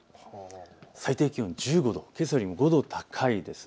最低気温１５度、けさより５度高いです。